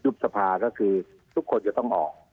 ยุบสภาคือทุกคนจะต้องออก